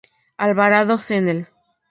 Alvarado, Cnel.